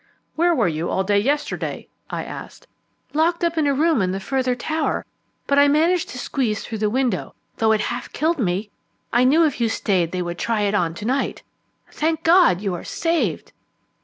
"Where were you all day yesterday?" I asked. "Locked up in a room in the further tower, but I managed to squeeze through the window, although it half killed me. I knew if you stayed that they would try it on to night. Thank God you are saved."